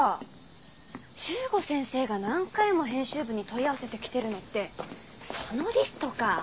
十五先生が何回も編集部に問い合わせてきてるのってそのリストかぁ。